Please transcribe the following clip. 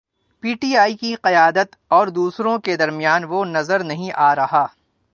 P T I کی قیادت اور دوسروں کے درمیان وہ نظر نہیں آ رہا۔